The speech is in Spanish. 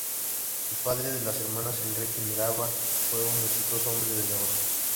El padre de las hermanas, Enrique Mirabal, fue un exitoso hombre de negocios.